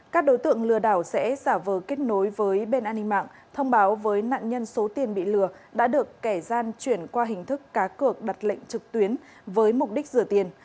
các đối tượng lừa đảo sẽ giả vờ kết nối với bên an ninh mạng thông báo với nạn nhân số tiền bị lừa đã được kẻ gian chuyển qua hình thức cá cược đặt lệnh trực tuyến với mục đích rửa tiền